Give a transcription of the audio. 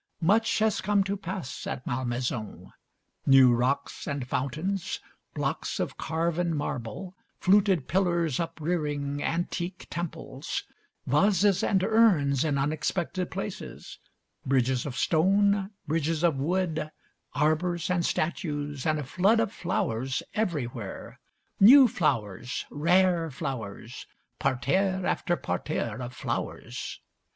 Much has come to pass at Malmaison. New rocks and fountains, blocks of carven marble, fluted pillars uprearing antique temples, vases and urns in unexpected places, bridges of stone, bridges of wood, arbours and statues, and a flood of flowers everywhere, new flowers, rare flowers, parterre after parterre of flowers.